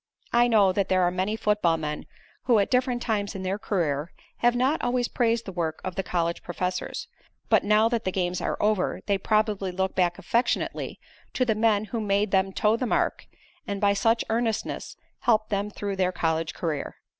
I know that there are many football men who at different times in their career have not always praised the work of the college professors, but now that the games are over they probably look back affectionately to the men who made them toe the mark, and by such earnestness helped them through their college career.